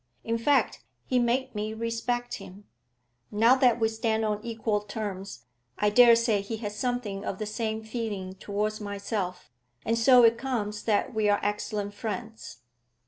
In fact, he made me respect him. Now that we stand on equal terms, I dare say he has something of the same feeling towards myself. And so it comes that we are excellent friends.'